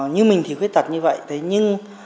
như mình thì khuyết tật như vậy thế nhưng